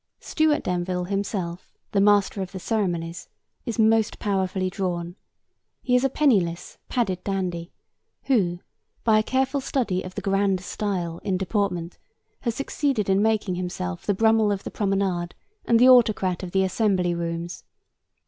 Stuart Denville himself, the Master of the Ceremonies, is most powerfully drawn. He is a penniless, padded dandy who, by a careful study of the 'grand style' in deportment, has succeeded in making himself the Brummel of the promenade and the autocrat of the Assembly Rooms.